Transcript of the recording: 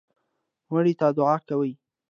مړي ته دعا کوئ